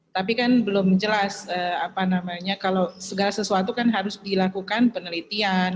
tapi kan belum jelas apa namanya kalau segala sesuatu kan harus dilakukan penelitian